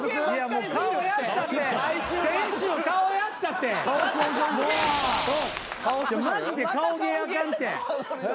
もうマジで顔芸あかんって。